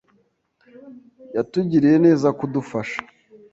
Yatugiriye neza kudufasha.